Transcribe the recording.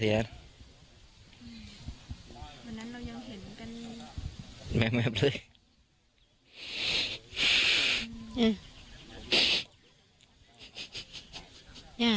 พ่อไม่ต้องลวงตำรวจขายจับคนผิดมันลงโทษได้หมดอยู่แล้ว